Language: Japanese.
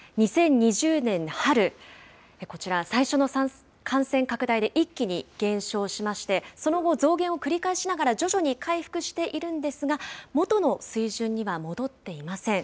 ２０２０年春、こちら、最初の感染拡大で一気に減少しまして、その後、増減を繰り返しながら徐々に回復しているんですが、もとの水準には戻っていません。